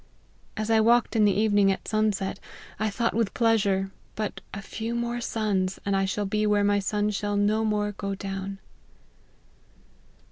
As I walked in the evening at sunset, I thought with pleasure, but a few more suns, and I shall be where my sun shall no more go down."